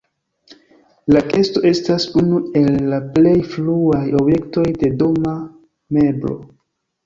La kesto estas unu el la plej fruaj objektoj de doma meblo.